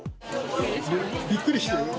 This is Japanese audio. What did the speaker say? びっくりしてる？